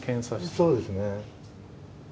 そうですね。